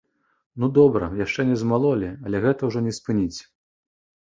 Ну добра, яшчэ не змалолі, але гэта ўжо не спыніць.